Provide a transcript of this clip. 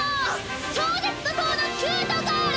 超絶怒とうのキュートガール！